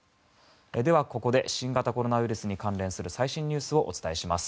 では、ここで新型コロナウイルスに関連する最新ニュースをお伝えします。